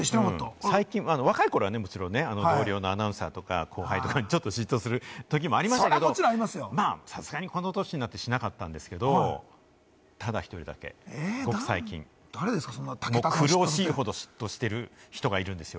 若い頃はね、もちろん同僚のアナウンサーとか後輩にちょっと嫉妬するときもありましたけれども、さすがにこの年になるとしなかったんですけれども、ただ１人だけ、ごく最近狂わしいほど嫉妬している人がいるんですよ。